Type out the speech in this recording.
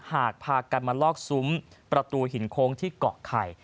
หากพากันมาลอกซุ้มประตูหินโค้งที่เกาะไข่